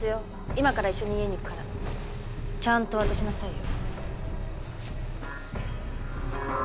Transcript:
今から一緒に家に行くからちゃんと渡しなさいよ。